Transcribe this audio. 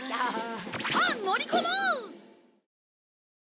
さあ乗り込もう！